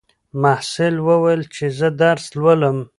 محصل وویل چې زه درس لولم.